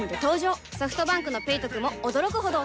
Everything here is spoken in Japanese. ソフトバンクの「ペイトク」も驚くほどおトク